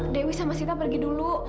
dewi sama sita pergi dulu